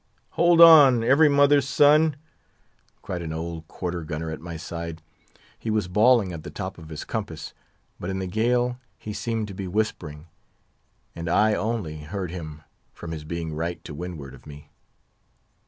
"Hold on, every mother's son!" cried an old quarter gunner at my side. He was bawling at the top of his compass; but in the gale, he seemed to be whispering; and I only heard him from his being right to windward of me.